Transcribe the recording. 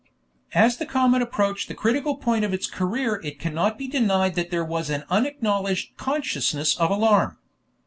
As the comet approached the critical point of its career it cannot be denied that there was an unacknowledged consciousness of alarm.